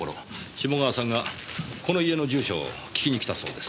志茂川さんがこの家の住所を訊きに来たそうです。